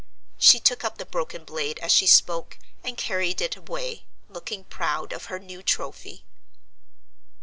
She took up the broken blade as she spoke, and carried it away, looking proud of her new trophy.